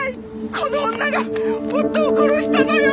この女が夫を殺したのよ！